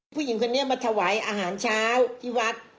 ผู้หญิงคนนี้มาถวายอาหารเช้าที่วัด